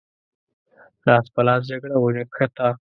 لاس په لاس جګړه ونښته.